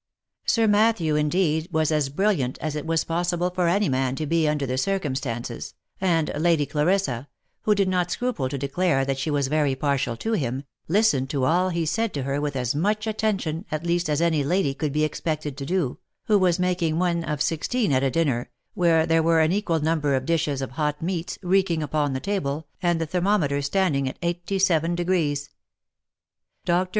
Sir Matthew, indeed, was as brilliant as it was possible for any man to be under the circum stances, and Lady Clarissa, who did not scruple to declare that she was very partial to him, listened to all he said to her with as much attention at least as any lady could be expected to do, who was making one of sixteen at a dinner, where there were an equal num ber of dishes of hot meats reeking upon the table, and the thermo meter standing at 87°. Dr.